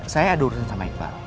saya ada urusan sama iqbal